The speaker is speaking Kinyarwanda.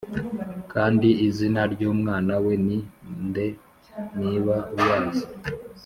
kandi izina ry’umwana we ni nde niba uyazi’